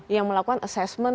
yang melakukan assessment